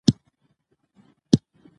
دا کار د هیواد په ګټه دی.